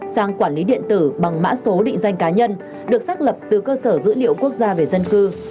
giấy điện tử bằng mã số định danh cá nhân được xác lập từ cơ sở dữ liệu quốc gia về dân cư